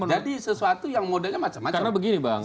jadi sesuatu yang modelnya macam macam